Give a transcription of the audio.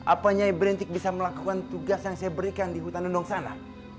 apanya ibrantik bisa melakukan tugas yang saya berikan di hutan lendong sana